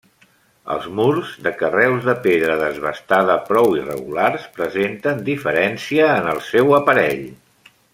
Els murs, de carreus de pedra desbastada prou irregulars, presenten diferència en el seu aparell.